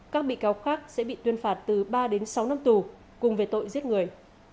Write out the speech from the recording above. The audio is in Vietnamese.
các bị cáo khác sẽ bị tuyên phạt từ ba đến sáu năm tù cùng về tội giết người